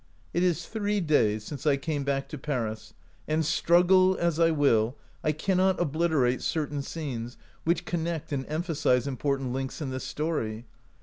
" It is three days since I came back to Paris, and, struggle as I will, I cannot oblit erate certain scenes which connect and em phasize important links in this story.